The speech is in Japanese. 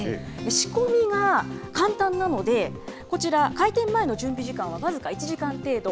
仕込みが簡単なので、こちら、開店前の準備時間は僅か１時間程度。